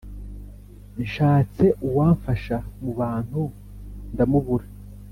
nshatse uwamfasha mu bantu, ndamubura!